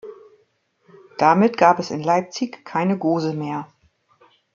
Damit gab es in Leipzig keine Gose mehr.